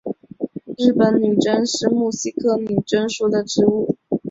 日本女贞是木犀科女贞属的植物。